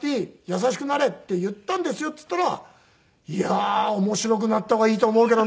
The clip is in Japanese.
優しくなれ”って言ったんですよ」って言ったら「いやー面白くなった方がいいと思うけどな」